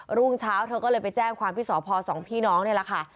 รุ่งเช้าเธอก็เลยไปแจ้งความที่สพสองพี่น้องนี่แหละค่ะ